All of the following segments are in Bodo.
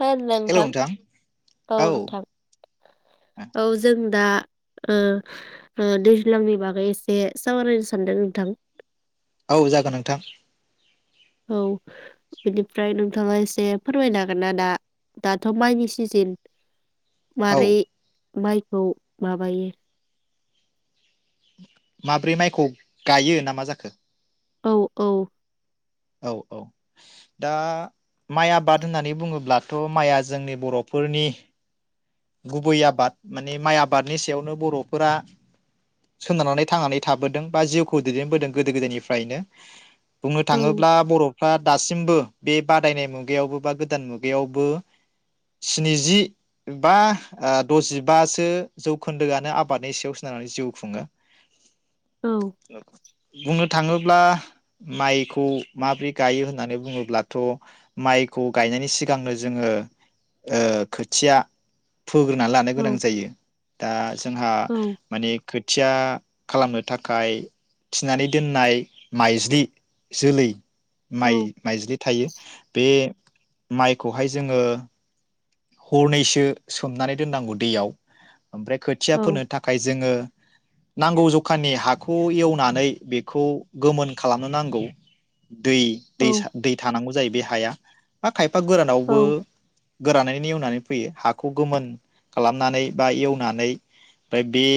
होनल' हेलौ नोंथां औ नोंथां औ जों दा ओ ओ दैज्लांनि बागै एसे सावरायनो सानदों नोंथां। औ जागोन नोंथां। औ बेनिफ्राय नोंथाङा एसे फोरमायनो हांगोन ना दा दाथ' माइनि सिजेन। औ मारै माइखौ माबायो। माब्रै माइखौ गायो ना मा जाखो? औ औ। औ औ दा माइ आबाद होननानै बुङोब्लाथ' माइआ जोंनि बर'फोरनि गुबै आबाद माने माइ आबादनि सायावनो बर'फोरा सोनारनानै थांनानै थाबोदों बा जिउखौ दैदेनबोदों गोदो गोदायनिफ्रायनो। बुंनो औ थाङोब्ला बर' फ्रा दासिमबो बे बादायनाय मुगायावबो बा गोदान मुगायावबो स्निजि बा आ दजिबासो जौखोन्दोआनो आबादनि सायाव [unintelligible] जिउ खुङो। औ [unintelligible] बुंनो थाङोब्ला माइखौ माब्रै गायो होननानै बुङोब्लाथ' माइखौ गायनायनि सिगांनो जोङो ओ खोथिया। फोग्रोना लानो गोनां औ जायो। दा। जोंहा औ माने खोथिया खालामनो थाखाय थिनानै दोननाय माइज्लि जोलै। औ माइ माइज्लि थायो बे माइखौहाय जोङो। हरनैसो सोमनानै दोननांगौ दैयाव। ओमफ्राय खोथिया औ फोनो थाखाय जोङो। नांगौ जखानि हाखौ एवनानै बेखौ गोमोन खालामनो नांगौ। दै औ दैसा दै थानांगौ। जाय बे हाया। खायफा गोरानावबो। औ गोरानै। नेवनानै फैयो हाखौ गोमोन खालामनानै बा एवनानै ओमफ्राय बे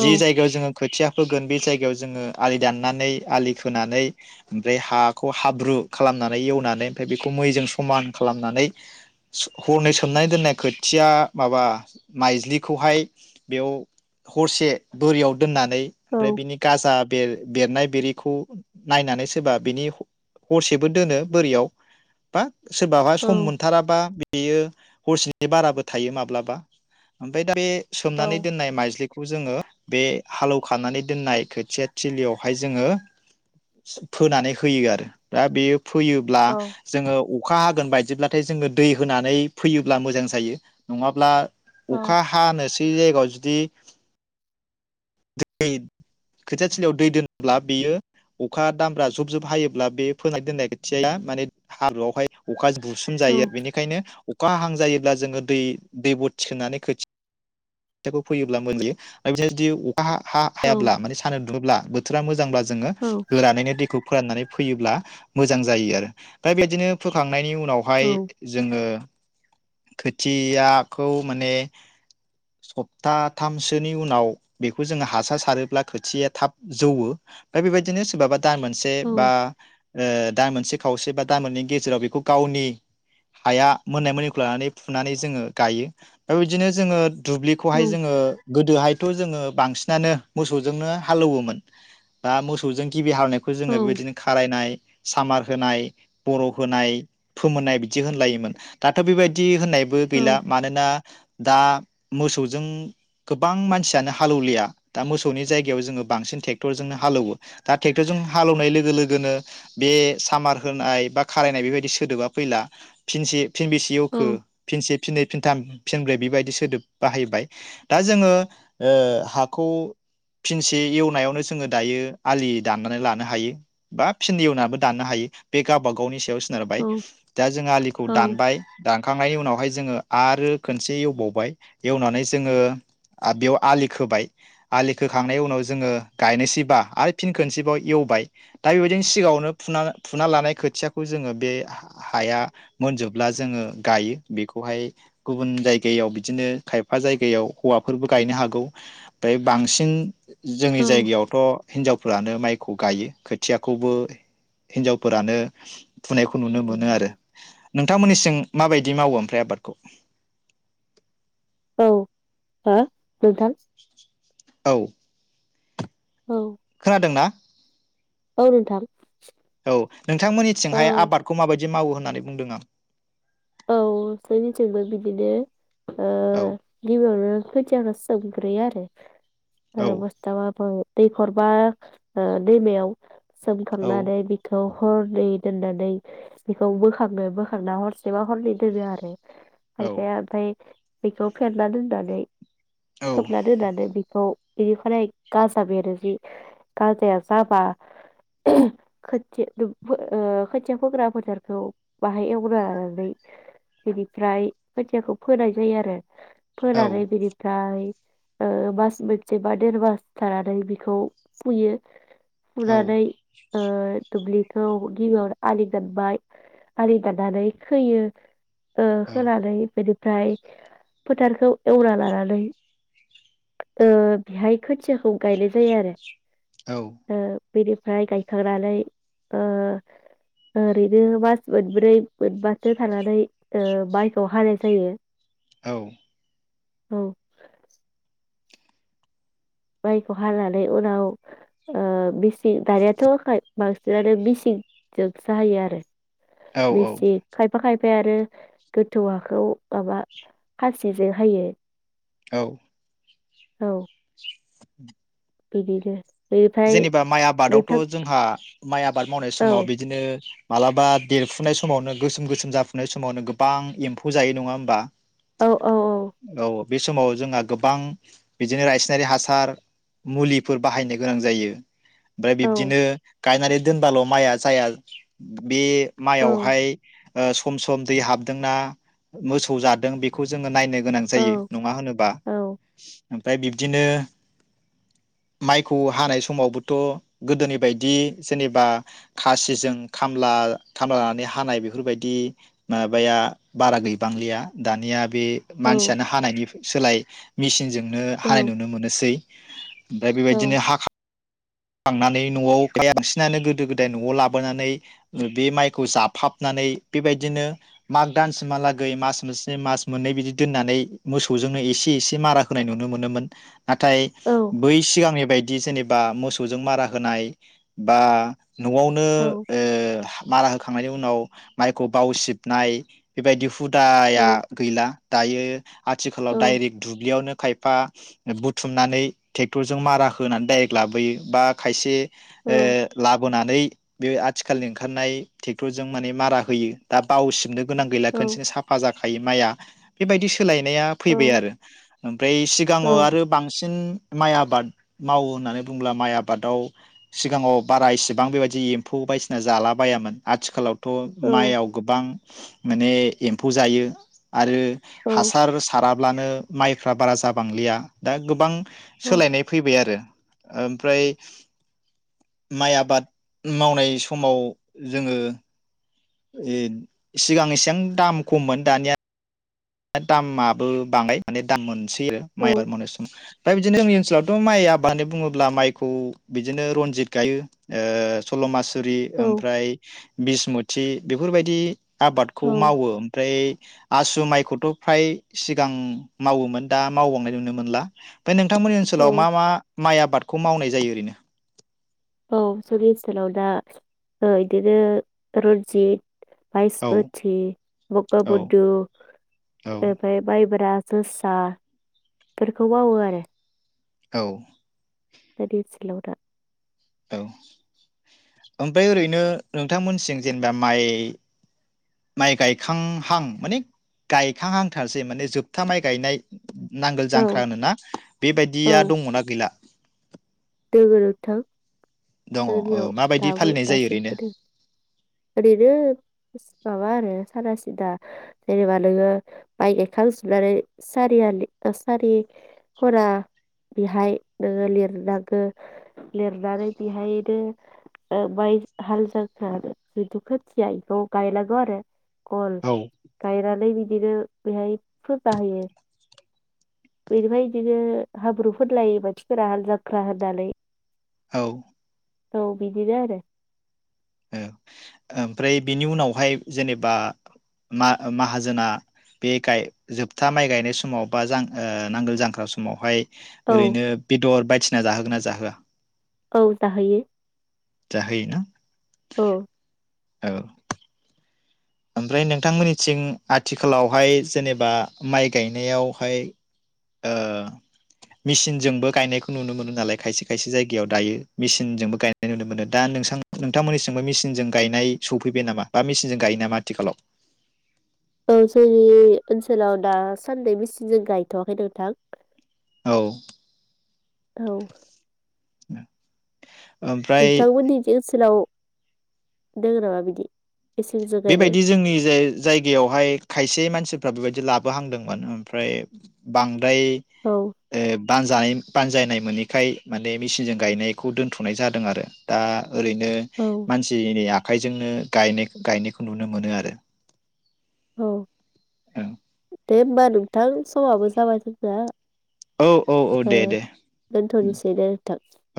जि जायगा जों खोथिया फोगोन बे जायगायाव जोङो आलि दाननानै आलि खोनानै ओमफ्राय हाखौ हाब्रु खालामनानै एवनानै ओमफ्राय बेखौ मैजों समान खालामनानै। हरनै सोमनाय दोननाय खोथिया माबा माइज्लिखौहाय बेव हरसे बोरियाव। दोननानै औ ओमफ्राय बिनि गाजा बेर बेरनाय बेरि खौ नायनानै सोरबा बिनि हरसेबो दोनो बोरियाव बा सोरबाहा सम मोनथाराबा। यो हरसेनि बाराबो थायो माब्लाबा ओमफ्राय दा बे। औ सोमनानै दोननाय माइज्लिखौ जोङो। बे हालौखांनानै दोननाय खोथिया थिलियावहाय जोङो फोनानै होयो आरो दा बेयो। फोयोब्ला जोङो अखा हागोन बाइद जोबब्लाथाय जोङो दै। होनानै फैयोब्ला मोजां जायो नङाब्ला अखा हानोसै जायगायाव जुदि दै खोथिया थिलियाव दै दोनोब्ला बेयो अखा दामब्रा जुब जुब हायोब्ला बे फोना दोननाय खोथिया माने हाब्रुआवहाय अखा बुसोम औ जायो बेनिखायनो अखा हां जायो। ब्ला जोङो दै दै बथिखोनानै खो [unintelligible] हा हा हा हायाब्ला माने सानदुं दुङोब्ला थोरा मोजांब्ला जोङो होनानैनो दैखौ फोराननानै फैयोब्ला मोजां जायो आरो दा बिदिनो फोखां नायनि उनावहाय औ जोङो। खोथियाखौ माने सप्ताथामसोनि उनाव बेखौ जोङो हासार सारोब्ला खोथिया थाब जौवो दा बेबायदिनो सोरबाबा दान मोनसे बा दान मोनसे खावसे बा दान मोननैनि गेजेराव बेखौ गावनि हाया मोननाय मोननिखौ लानानै फुनानै जोङो गायो बे बिदिनो जोङो दुब्लिखौहाय जोङो गोदोहायथ' जोङो बांसिनानो मोसौजोंनो हालौवोमोन बा मोसौजों गिबि हालेवनायखौ जोङो बेबायदिनो खारायनाय सामार होनाय बर' होनाय फोमोननाय बिदि होनलायोमोन दाथ' बेबायदि होननाय बो गैला मानोना दा मोसौजों गोबां मानसियानो हालौवलिया दा मोसौनि जायगायाव जोङो बांसिन टेक्टरजोंनो हालौवो दा टेक्टरजों हालौवनाय लोगो लोगोनो बे सामार होनाय बा खारायनाय बेबायदि सोदोबा फैला फिनसे फिन बेसे एवखो फिनसे फिनै फिन थाम फिनब्रै बेबायदि सोदोब बाहायबाय दा जोङो ओ हाखौ फिनसे एवनायावनो जोङो दायो आलि दाननानै लानो हायो बा फिन एवनानै दाननो हायो बे गावबा गावनि सायाव सोनारबाय दा जों आखौ औ दानबाय दानखांनायनि उनावहाय जोङो आरो खोनसे एवबावबाय एवनानै जोङो आ- बेयाव आलि खोबाय आलि खोखांनायनि उनाव जोङो गायनोसैबा आरो फिन खोनोसैबाव एवबाय दा बेबायदिनो सिगाङावनो फुना-फुना लानाय खोथियाखौ जोङो बे हा-हाया मोनजोबब्ला जोङो गायो बेखौहाय गुबुन जायगायाव बिदिनो खायफा जायगायाव हौवाफोरबो गायनो हागौ ओमफ्राय बांसिन औ जोंनि जायगायावथ' हिनजावफ्रानो माइ खौ गायो खोथियाखौबो हिनजावफोरानो फुनायखौ नुनो मोनो आरो। औ नोंथांमोननिसिं माबायदि मावो ओमफ्राय आबादखौ? औ हो नोंथां। औ। औ खोनादोंना? औ नोंथां [inaudible] औ औ नोंथांमोननिथिंहाय आबादखौ माबायदि मावो होननानै बुंदों आं। औ जोंनिथिंबो बिदिनो ओ औ गिबियावनो खोथियाखौ सोमग्रोयो आरो। ओ औ बस्थाबाबो दैखर बा ओ दैमायाव। सोमखांनानै बिखौ हरनै दोननानै बेखौ बोखाङो बोखांना हरस एबा हरनै दोनो आरो औ खायफाया ओफ्राय बेखौ फेरना दोननानै औ खोबना दोनानै बेखौ बेनिफ्राय गाजा बेरो जि गाजाया जाबा खोथि फो ओ खोथिया फोग्रा फोथारखौ बाहाय एवग्रोना नै बेनिफ्राय खोथियाखौ फोनाय जायो आरो औ फोनानै बिनिफ्राय ओ मास मोनसे बा देर मास थानानै बेखौ फुयो। औ फुनानै ओ दुब्लिखौ गिबियावनो आलि दानबाय आलि दाननानै खोयो। ओ होनानै बेदि ओमफ्राय फोथारखौ एवना लानानै ओ बेहाय खोथियाखौ गायनाय जायो आरो। ओ बेनिफ्राय गायखांनानै ओ ओरैनो मास मोनब्रै मोनबासो थानानै ओ माइखौ हानाय जायो। औ। औ। माइखौ हानानै उनाव ओ बिसि दानियाथ' आखाय बांसिनानो मिसिंजोंसो हायो आरो। औ मिसिं खायबा खाय ओमफ्राय आरो गोथौ हाखौ माबा खासिजों हायो। औ। औ। बिदिनो। बेनिफ्राय जेनेबा माइ आबादावथ' नोंथां जोंहा माइ आबाद मावनाय औ समाव बिदिनो मालाबा देरफुनाय समावनो गोसोम गोसोम जाफुनाय समावनो गोबां एम्फौ जायो नङा होमबा? औ औ औ बे समाव जोंहा गोबां बिदिनो रायसिनारि हासार मुलिफोर बाहायनो गोनां जायो। ओमफ्राय औ बिब्दिनो गायनानै दोनबाल' माइआ जाया बे औ माययाव हाय ओ सम-सम दै हाबदोंना मोसौ जादों बेखौ जोङो नायनो गोनां औ जायो नङा होनोबा औ ओमफ्राय बिब्दिनो माय खौ हानाय समाव बोथ‌' गोदोनि बायदि जेनेबा खासि जों खामला खामलानि हानाय बेफोरबायदि माबाया बारा गैबांलिया दानिया बे मानसियानो औ हानायनि सोलाय मेसिनजों नो हानाय औ नुनो मोनोसै‌ ओमफ्राय बेबादि औ बिदिनो हाखां नानै न'आव बांसिनानो गोदो गोदाय न'आव लाबोनानै बे माइखौ जाफाबनानै बेबायदिनो माग दानसिमहालागै मास मोनसे मास मोननै बिदि दोननानै मोसौजोंनो एसे एसे मारा होनाय नुनो मोनोमोन नाथाय औ बै सिगांनि बायदि जेनेबा मोसौजों मारा होनाय बा न'आवनो औ ओ मारा होखांनायनि उनाव माइखौ बावसिबनाय बेबायदि औ हुदाया गैला दायो आथिखालाव दडाइरेक्ट दुब्लियावनो खायफा बुथुमनानै टेक्टरजों मारा होनानै दडाइरेक्ट लाबोयो बा खायसे ओ‌ औ ला बोनानै बे आथिखालनि ओंखारनाय टेक्टरजों माने मारा होयो दा बावसिबनो गोनां गैला खोनसेनो साफा जाखायो माइआ बेबायदि सोलायनाया फैबाय आरो ओमफ्राय औ सिगाङाव आरो बांसिन माइ आबाद‌ मावो होननानै बुंब्ला माइ आबादाव सिगाङाव बारा इसेबां बेबायदि एम्फौ बायदिसिना जाला बायामोन आथिखालाव थ' औ माइआव गोबां माने एम्फौ जायो आरो औ हासार साराब्लानो माइ फ्रा बारा जाबांलिया दा गोबां औ सोलायनाय फैबाय आरो ओमफ्राय माइ आबाद मावनाय समाव जोङो सिगां एसेबां दाम खममोन दानिया‌ दामाबो बाङाय माने दाम मोन सै आरो माइ आबाद‌‌ औ मावनाय समाव‌ दा बिदिनो जोंनि ओनसोलाव ओनसोलावथ' माइ आबाद होननानै बुङोब्ला माइखौ बिदिनो रनजित गायो सल' मास रि औ ओमफ्राय बिसमु थि बेफोरबायदि आबादखौ औ मावो ओमफ्राय आसु माइखौ थ' फ्राय सिगां मावोमोन दा मावबावनाय नुनो मोनला बे नोंथांमोननि औ ओनसोलाव मा मा माइ आबादखौ मावनाय जायो ओरैनो औ जोंनि ओनसोलाव दा ओ इदिनो रन्जित औ बायसमोथि बग औ बुधु औ ओमफ्राय माइब्रा जोसाफोरखौ मावो आरो औ जोंनि ओनसोलाव दा औ ओमफाय ओरैनो नोंथांमोनसिं जेनेबा माइ माइ गायखांहां माने गायखांहांथारसै माने जोबथा माइ गायनाय नांगोल औ जांख्रा होनोना औ बेबायदिया दङना गैला? दोङो नोंथां दङ जोंनियाव माबायदि दाबो फालिनाय जायो दासिमबो ओरैनो? दों ओरैनो माबा आरो सादा सिदा जेनेबा नोङो माइ गायखांजोबनानै सारिया सारि खना बेहाय नोङो लिरनांगो लिरनानै बेहायनो माइ हाल जांख्रा होनो। जिहेथु खोथिया इखौ गायनांगौ आरो। गल औ गायनानै बिद बिदिनो बेहाय फुजा होयो बेनिफ्राय बिदिनो हाब्रु फोनलायो मानसिफोरा हाल जांख्रा होननानै। औ थ' बदिनो आरो ओमफ्राय बिनि उनावहाय जेनेबा मा माहाजोना बे गाय जोबथा माइ गायनाय समाव बा जा नांगोल जांख्रा समावहाय औ ओरैनो बेदर बायदिसिना जाहोगोना जा होआ औ जाहैयो जाहोयो‌ ना औ औ ओमफ्राय नोंथांमोननिथिं आथिखालावहाय जेनेबा माइ गायनायावहाय ओ मेसिनजोंबो गायनायखौ नुनो मोनो नालाय खायसे खायसे जायगायाव दायो मेसिनजोंबो गायनाय नुनो मोनो दा नोंसां नोंथांमोननिसिंबो मेसिनजों गायनाय सौफैबाय नामा बा मेसिनजों गायो नामा आ थिखालाव औ जोंनि ओनसोलाव दासान्दै मेसिनजों गायथवाखै नोंथां। औ औ [inaudible] नोंथांमोननि जे ओनसोलाव दोङो नामा बिदि मेचिनजों गायनाय बेबायदि जोंनि जाय जायगायावहाय खायसे मानसि फोरा बेबायदि लाबोहांदोंमोन ओमफ्राय बां दाय औ ओ बानजाय बानजायनाय मोनैखाय माने मेसिनजों गायनायखौ दोनथ'नाय जादों आरो दा ओरैनो औ मानसिनि आ आखाइजोंनो गायनाय गायनायखौ नुनो मोनो आरो। औ दे होनबा नों नोंथां समाबो जाबाय जोंना औ औ औ ओ दे दे दोनथ'नोसै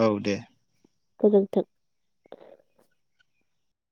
औ दे गोजोन्थों।